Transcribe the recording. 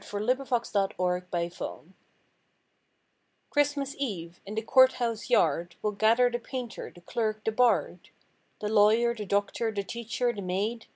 THE MUNICIPAL CHRISTMAS TREE Christmas Eve, in the Court house yard Will gather the painter, the clerk, the bard. The lawyer, the doctor, the teacher, the maid.